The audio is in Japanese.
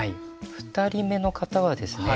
２人目の方はですね